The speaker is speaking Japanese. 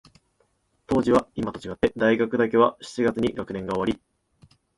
当時は、いまと違って、大学だけは七月に学年が終わり、